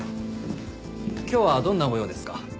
今日はどんなご用ですか？